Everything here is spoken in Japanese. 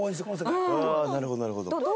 ああなるほどなるほど。